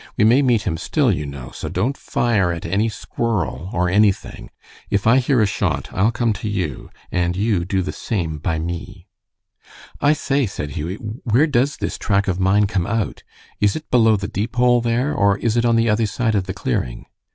We may meet him still, you know, so don't fire at any squirrel or anything. If I hear a shot I'll come to you, and you do the same by me." "I say," said Hughie, "where does this track of mine come out? Is it below the Deepole there, or is it on the other side of the clearing?"